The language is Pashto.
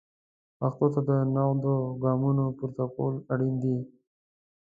پښتو ته د نغدو ګامونو پورته کول اړین دي.